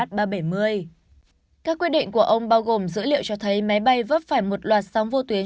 các quyết định của ông bao gồm dữ liệu cho thấy máy bay vấp phải một loạt sóng vô tuyến